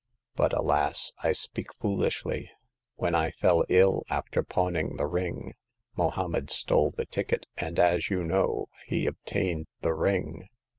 But, alas ! I speak foolishly. When I fell ill after pawning the ring, Mohommed stole the ticket, and, as you know, he obtained the ring.